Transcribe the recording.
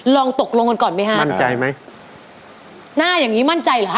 ตกลงกันก่อนไหมฮะมั่นใจไหมหน้าอย่างงี้มั่นใจเหรอคะ